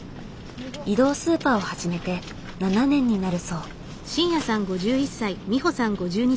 移動スーパーを始めて７年になるそう。